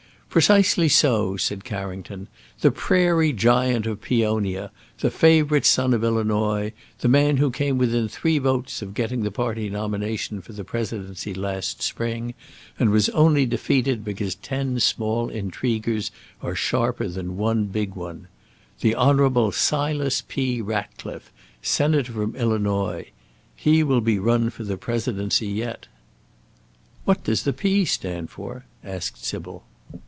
"Precisely so," said Carrington; "the Prairie Giant of Peonia, the Favourite Son of Illinois; the man who came within three votes of getting the party nomination for the Presidency last spring, and was only defeated because ten small intriguers are sharper than one big one. The Honourable Silas P. Ratcliffe, Senator from Illinois; he will be run for the Presidency yet." "What does the P. stand for?" asked Sybil.